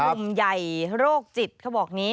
รุมไยโรคจิตเขาบอกนี้